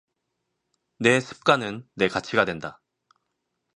네 습관은 네 가치가 된다.